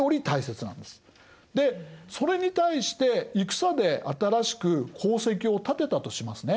でそれに対して戦で新しく功績を立てたとしますね。